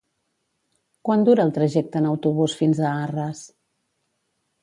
Quant dura el trajecte en autobús fins a Arres?